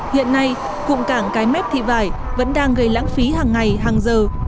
hiện nay cụm cảng cái mép thị vải vẫn đang gây lãng phí hàng ngày hàng giờ